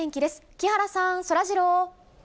木原さん、そらジロー。